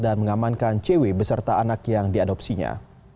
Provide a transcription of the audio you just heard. dan mengamankan cewek beserta anak yang diadopsinya